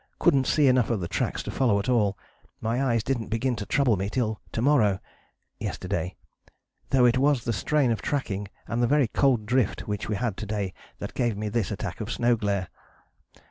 Couldn't see enough of the tracks to follow at all. My eyes didn't begin to trouble me till to morrow [yesterday], though it was the strain of tracking and the very cold drift which we had to day that gave me this attack of snow glare."